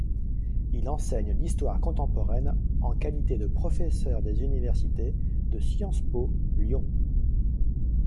Il enseigne l'histoire contemporaine en qualité de professeur des universités à Sciences Po Lyon.